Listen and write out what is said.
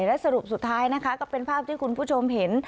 และสรุปสุดท้ายนะคะก็เป็นภาพที่คุณผู้ชมเห็น